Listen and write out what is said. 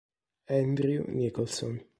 Andrew Nicholson